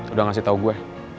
udah ngasih tau gue